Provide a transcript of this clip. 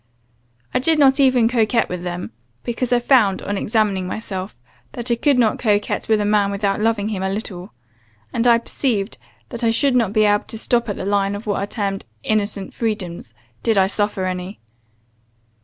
I did not even coquet with them; because I found, on examining myself, I could not coquet with a man without loving him a little; and I perceived that I should not be able to stop at the line of what are termed innocent freedoms, did I suffer any.